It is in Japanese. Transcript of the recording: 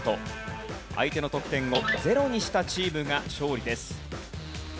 相手の得点をゼロにしたチームが勝利です。